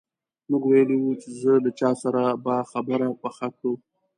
موږ ویلي وو چې ځه له چا سره به خبره پخه کړو.